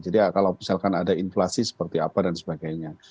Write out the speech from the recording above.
jadi kalau misalkan ada inflasi seperti apa dan sebagainya